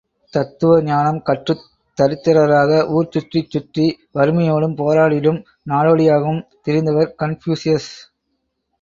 தத்துவ ஞானம் கற்றுத் தரித்திரராக ஊர் சுற்றிச் சுற்றி வறுமையோடும் போராடிடும் நாடோடியாகவும் திரிந்தவர் கன்பூசியஸ்!